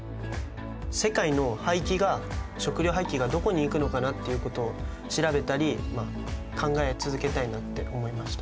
世界の廃棄が食料廃棄がどこにいくのかなっていうことを調べたり考え続けたいなって思いました。